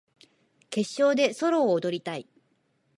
決勝でソロを踊りたい